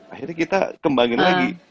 akhirnya kita kembangin lagi